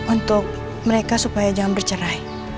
untuk mereka supaya jangan bercerai